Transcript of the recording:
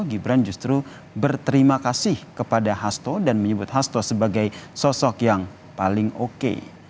gibran justru berterima kasih kepada hasto dan menyebut hasto sebagai sosok yang paling oke